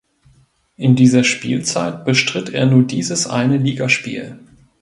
In dieser Spielzeit bestritt er nur dieses eine Ligaspiel.